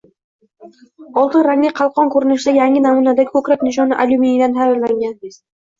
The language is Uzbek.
Oltin rangli qalqon ko‘rinishidagi yangi namunadagi ko‘krak nishoni alyuminiydan tayyorlangan